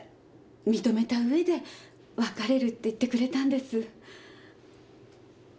認めた上で別れるって言ってくれたんです。